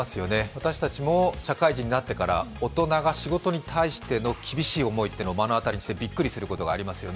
私たちも社会人になってから、大人が仕事に対する厳しい思いを目の当たりにしてびっくりすること、ありますよね。